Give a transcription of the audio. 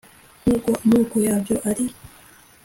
Nk’uko amoko yabyo ari.